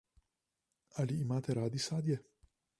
Ali imate radi sadje?